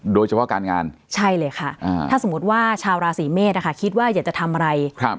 โดยเฉพาะการงานใช่เลยค่ะถ้าสมมุติว่าชาวราศีเมษคิดว่าอยากจะทำอะไร